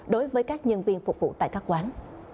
đối với các nhân viên phục vụ tại các quán